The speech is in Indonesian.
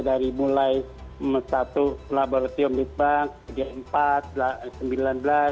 dari mulai satu laboratorium di bank kemudian empat kemudian sembilan belas